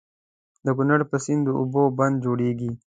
د کنړ په سيند د اوبو بند جوړيږي.